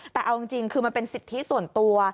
แต่เอาจริงคือมันเป็นสิทธิส่วนตัว